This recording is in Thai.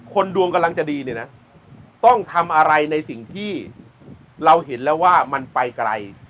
ดวงกำลังจะดีเนี่ยนะต้องทำอะไรในสิ่งที่เราเห็นแล้วว่ามันไปไกล